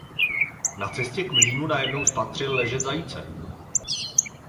Na cestě k mlýnu najednou spatřil ležet zajíce.